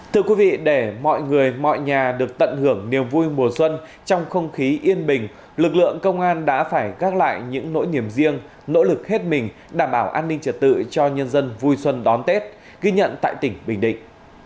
thưa quý vị để mọi người mọi nhà được tận hưởng niềm vui mùa xuân trong không khí yên bình lực lượng công an đã phải gác lại những nỗi niềm riêng nỗ lực hết mình đảm bảo an ninh trật tự cho nhân dân vui xuân đón tết ghi nhận tại tỉnh bình định